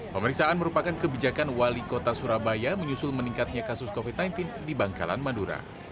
pemeriksaan merupakan kebijakan wali kota surabaya menyusul meningkatnya kasus covid sembilan belas di bangkalan madura